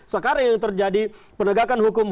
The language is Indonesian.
sekarang yang terjadi penegakan hukum